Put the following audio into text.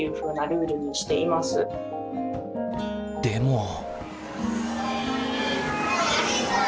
でも。